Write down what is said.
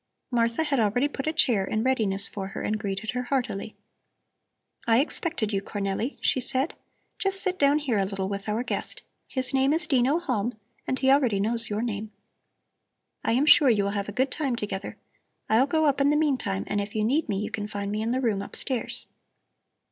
Martha had already put a chair in readiness for her and greeted her heartily. "I expected you, Cornelli," she said. "Just sit down here a little with our guest. His name is Dino Halm and he already knows your name. I am sure you will have a good time together. I'll go up in the meantime and if you need me you can find me in the room upstairs."